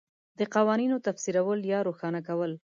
د قوانینو تفسیرول یا روښانه کول